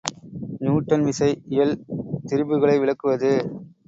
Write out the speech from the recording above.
Newton விசை இயல் திரிபுகளை விளக்குவது.